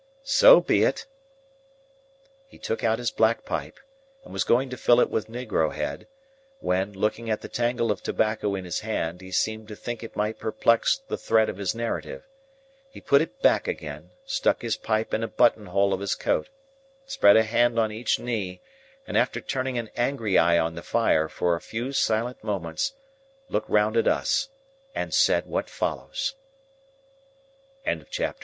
"So be it." He took out his black pipe and was going to fill it with negro head, when, looking at the tangle of tobacco in his hand, he seemed to think it might perplex the thread of his narrative. He put it back again, stuck his pipe in a button hole of his coat, spread a hand on each knee, and after turning an angry eye on the fire for a few silent moments, looked round at us and said what follows. Chapter XLII.